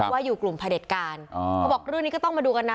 ว่าอยู่กลุ่มพระเด็จการเขาบอกเรื่องนี้ก็ต้องมาดูกันนะ